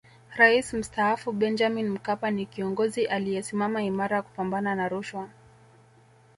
Rais Mstaafu Benjamin Mkapa ni kiongozi aliyesimama imara kupambana na rushwa